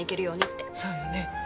そうよね。